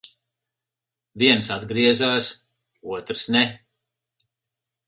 Viens atgriezās, otrs ne.